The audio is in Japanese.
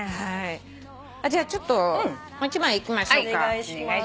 じゃあちょっともう１枚いきましょうか。